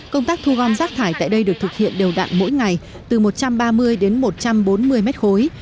công tác thu gom rác thải tại đây được thực hiện đều đặn mỗi ngày từ một trăm ba mươi đến một trăm bốn mươi mét khối